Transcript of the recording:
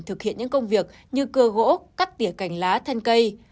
thực hiện những công việc như cưa gỗ cắt tỉa cành lá thân cây